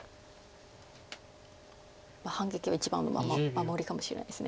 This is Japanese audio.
反撃は一番の守りかもしれないです。